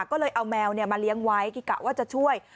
ก็เลยเอาแมวมาเลี้ยงไว้กิกะว่าจะช่วย